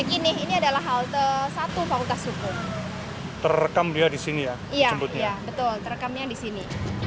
iya betul terekamnya di sini